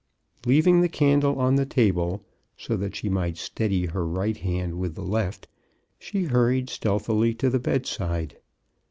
Leaving the candle on the table, so that she might steady her right hand with the left, she hurried stealthily to the bedside.